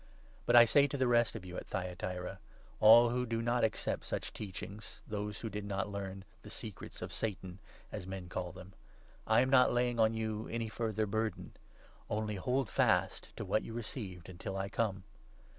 But I say to the rest of 24 you at Thyatira — all who do not accept such teaching, those who did not learn ' the secrets of Satan,' as men call them — I am not laying on you any further burden ; only hold fast to 25 what you have received, until I come.